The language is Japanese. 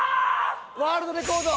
ワールドレコード！